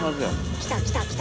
来た来た来た！